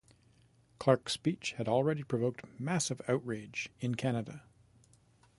Clark's speech had already provoked massive outrage in Canada.